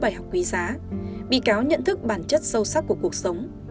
trong bài học quý giá bị cáo nhận thức bản chất sâu sắc của cuộc sống